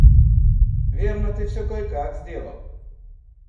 Верно, ты всё кое-как сделал.